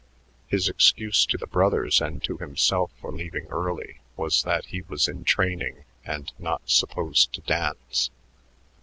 His excuse to the brothers and to himself for leaving early was that he was in training and not supposed to dance.